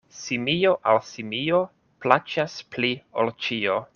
Simio al simio plaĉas pli ol ĉio.